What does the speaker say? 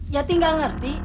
yati gak ngerti